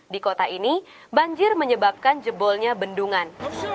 di kota ini banjir menyebabkan jebolnya bendungan